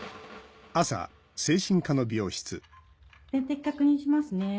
点滴確認しますね。